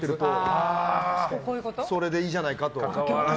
それでいいんじゃないかと。